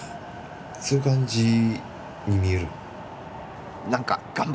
そういう感じに見える。